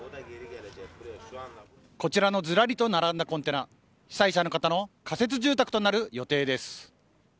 こちらのずらりと並んだコンテナ被災者の方の仮設住宅となる予定です。